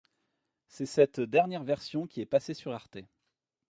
C'est cette dernière version qui est passée sur Arte.